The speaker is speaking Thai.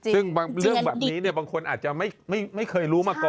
ซึ่งบางเรื่องแบบนี้บางคนอาจจะไม่เคยรู้มาก่อน